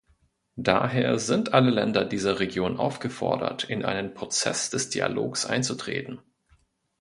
Daher sind alle Länder dieser Region aufgefordert, in einen Prozess des Dialogs einzutreten.